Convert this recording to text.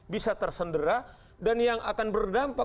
bisa tersendera dan yang akan berdampak